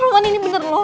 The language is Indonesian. roman ini bener loh